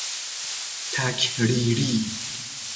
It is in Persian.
تکریری